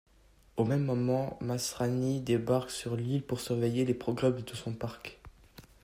Au même moment, Masrani débarque sur l'île pour surveiller les progrès de son parc.